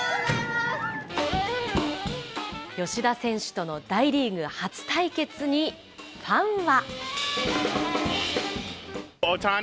吉田選手との大リーグ初対決に、ファンは。